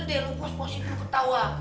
udah deh lu pos posisi ketawa